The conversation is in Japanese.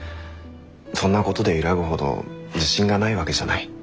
そんなことで揺らぐほど自信がないわけじゃない。